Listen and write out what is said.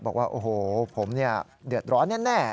บอกว่าโอ้โหผมเดือดร้อนแน่